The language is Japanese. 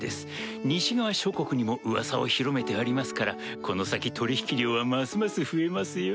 西側諸国にも噂を広めてありますからこの先取引量はますます増えますよ。